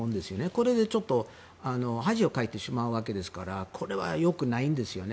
これでちょっと恥をかいてしまうわけですからこれはよくないんですよね。